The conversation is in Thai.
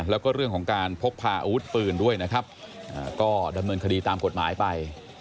แล้วก็เรื่องของการพกพาอาวุธปืนด้วยนะครับก็ดำเนินคดีตามกฎหมายไป